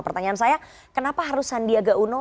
pertanyaan saya kenapa harus sandiaga uno